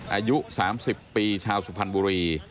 อายุ๓๐ปีชาวสุพรรณบุรี